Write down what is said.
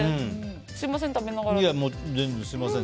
すみません、食べながら。